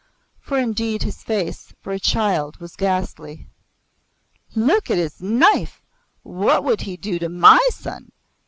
For indeed his face, for a child, was ghastly. "Look at his knife! What would he do to my son?"